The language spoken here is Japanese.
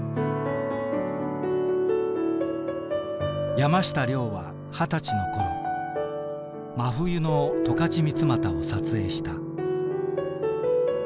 山下僚は二十歳の頃真冬の十勝三股を撮影した。